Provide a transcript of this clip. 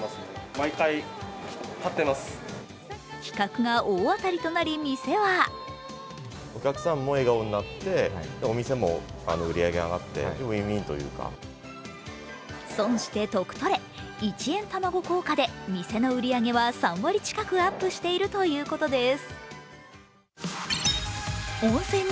企画が大当たりとなり、店は損して得取れ、１円卵効果で店の売り上げは３割近くアップしているということです。